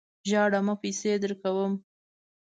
ژاړه مه ! پیسې درکوم.